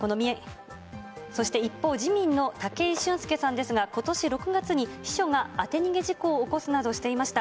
そして一方、自民の武井俊輔さんですが、ことし６月に秘書が当て逃げ事故を起こすなどしていました。